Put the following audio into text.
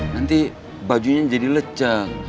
nanti bajunya jadi leceh